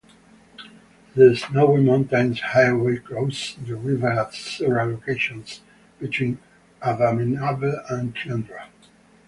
The Snowy Mountains Highway crosses the river at several locations between Adaminaby and Kiandra.